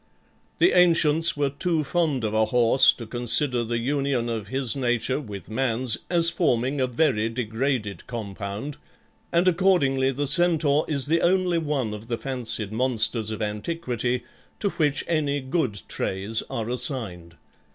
The ancients were too fond of a horse to consider the union of his nature with man's as forming a very degraded compound, and accordingly the Centaur is the only one of the fancied monsters of antiquity to which any good traits are assigned.